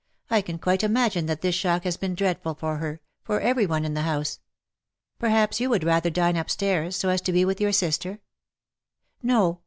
I can quite imagine that this shock has been dreadful for her — for every one in the house. Perhaps you would rather dine upstairs, so as to be with your sister V '' No